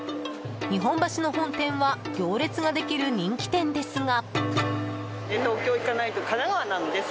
日本橋の本店は行列ができる人気店ですが。